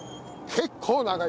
結構長い？